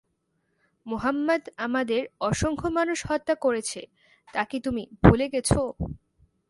মুহাম্মাদ আমাদের অসংখ্য মানুষ হত্যা করেছে, তা কি তুমি ভুলে গেছ?